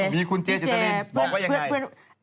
มีคุณเจสตาลินบอกว่าอย่างไง